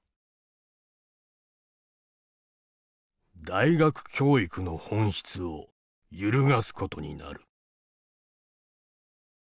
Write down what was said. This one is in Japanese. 「大学教育の本質を揺るがすことになる」。